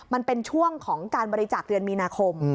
มันเป็นช่วงของการบริจาคเดือนมีนาคม